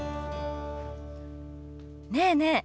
ねえねえ